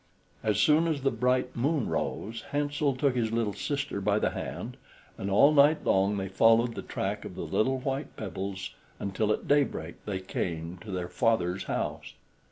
As soon as the bright moon rose, Hansel took his little sister by the hand, and all night long they followed the track of the little white pebbles, until at daybreak they came to their father's house.